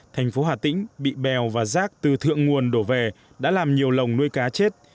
thành phố hà tĩnh bị bèo và rác từ thượng nguồn đổ về đã làm nhiều lồng nuôi cá chết